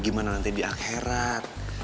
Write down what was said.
gimana nanti di akhirat